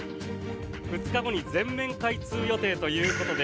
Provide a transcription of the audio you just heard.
２日後に全面開通予定ということで